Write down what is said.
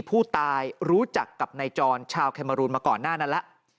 ผู้ตายรู้จักกับในจอนชาวเคเมอรูมาก่อนหน้านั้นละ